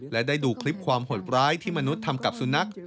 และได้ดูคลิปความหดร้ายที่มนุษย์ทำกับสุนัข